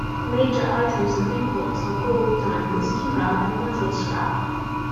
Major items of imports are gold, diamonds, timber and metal scrap.